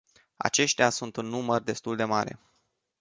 Aceștia sunt în număr destul de mare.